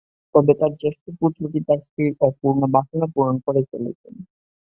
তবে তাঁর জ্যেষ্ঠ পুত্রটি তাঁর সেই অপূর্ণ বাসনা পূরণ করে চলেছেন।